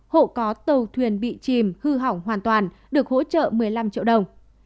hộ có tàu thuyền bị chìm hư hỏng hoàn toàn được hỗ trợ một mươi năm triệu đồng